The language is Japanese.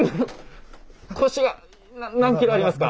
腰がな何キロありますか？